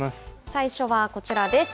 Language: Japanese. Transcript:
最初はこちらです。